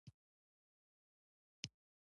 اقتصادي کړکېچ د خلکو پر ژوند اغېز کوي.